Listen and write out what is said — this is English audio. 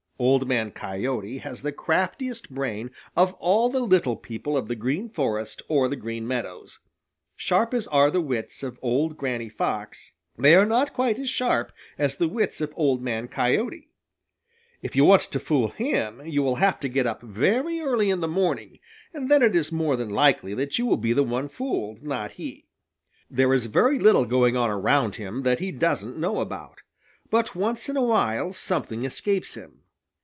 Old Man Coyote has the craftiest brain of all the little people of the Green Forest or the Green Meadows. Sharp as are the wits of old Granny Fox, they are not quite as sharp as the wits of Old Man Coyote. If you want to fool him, you will have to get up very early in the morning, and then it is more than likely that you will be the one fooled, not he. There is very little going on around him that he doesn't know about. But once in a while something escapes him.